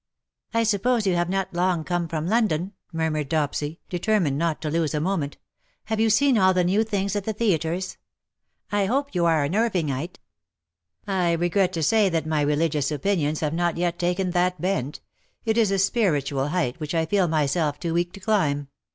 ^'1 suppose you have not long come from London ?'' murmured Dopsy, determined not to lose a moment. 213 " Have you seen all the new things at the theatres ? I hope you are an Irvingite V^ '^ I regret to say that my religious opinions have not yet taken that bent. It is a spiritual height which I feel myself too weak to climb.